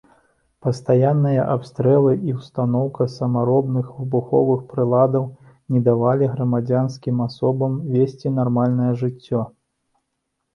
Пастаянныя абстрэлы і ўстаноўка самаробных выбуховых прыладаў не давалі грамадзянскім асобам весці нармальнае жыццё.